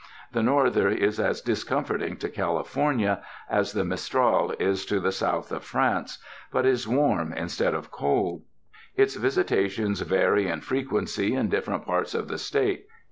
The norther is as discomforting to Cali fornia as the mistral is to the south of France, but is warm instead of cold. Its visitations vary in fre quency in different parts of the State.